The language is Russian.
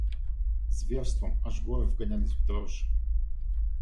Зверством – аж горы вгонялись в дрожь.